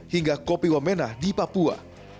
hingga kopi wamena di papua